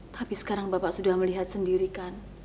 tapi sekarang bapak sudah melihat sendirikan